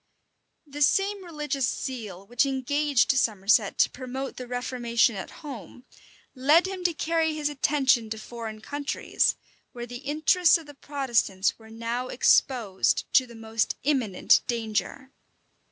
The same religious zeal which engaged Somerset to promote the reformation at home, led him to carry his attention to foreign countries; where the interests of the Protestants were now exposed to the most imminent danger.